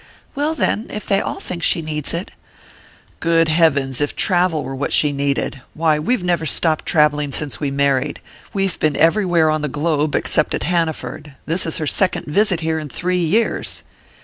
"Well, then if they all think she needs it " "Good heavens, if travel were what she needed! Why, we've never stopped travelling since we married. We've been everywhere on the globe except at Hanaford this is her second visit here in three years!"